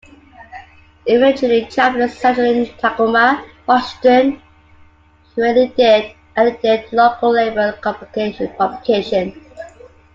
Eventually Chaplin settled in Tacoma, Washington, where he edited the local labor publication.